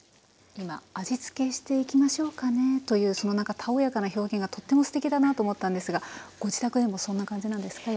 今「味付けしていきましょうかね」というそのなんかたおやかな表現がとってもすてきだなと思ったんですがご自宅でもそんな感じなんですか？